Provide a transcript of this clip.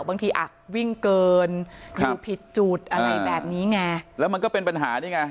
บางทีอ่ะวิ่งเกินอยู่ผิดจุดอะไรแบบนี้ไงแล้วมันก็เป็นปัญหานี่ไง